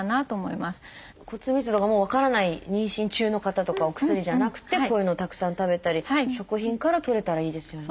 骨密度がもう分からない妊娠中の方とかお薬じゃなくてこういうのをたくさん食べたり食品からとれたらいいですよね。